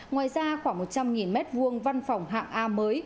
ngoài ra khoảng một trăm linh m hai văn phòng hạng a mới